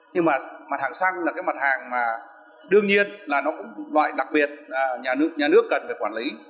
nhưng mà mặt hàng xăng là cái mặt hàng mà đương nhiên là nó cũng loại đặc biệt là nhà nước cần phải quản lý